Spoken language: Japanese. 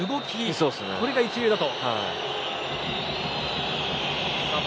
それが一流だと。